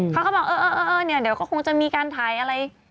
เขาก็บอกเออเนี่ยเดี๋ยวก็คงจะมีการถ่ายอะไร